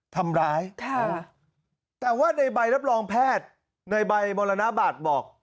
ทำร้ายค่ะแต่ว่าในใบรับรองแพทย์ในใบมรณบัตรบอก